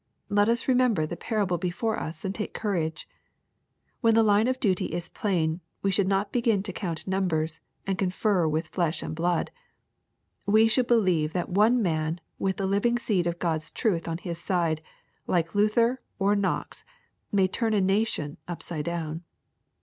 Let us remember the parable before us and take courage. When the line of duty is plain, we should not begin to count numbers, and con fer with flesh and blood. We should believe that one man with the living seed of God's truth on his side, like Luther or Knox, may turn a nation upside down.